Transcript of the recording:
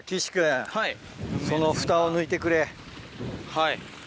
はい。